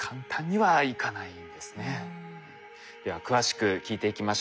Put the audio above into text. では詳しく聞いていきましょう。